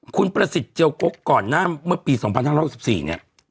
คุณประสิทธิ์เจียวกกก่อนหน้าเมื่อปี๒๕๖๔เนี่ย